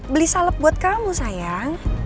beli salep buat kamu sayang